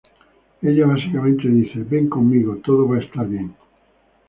Ella básicamente dice: "Ven conmigo, todo va a estar bien".